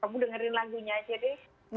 kamu dengerin lagunya aja deh